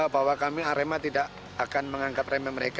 bahwa kami arema tidak akan menganggap remeh mereka